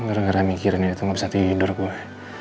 ngerah ngerah mikirin itu gak bisa tidur gue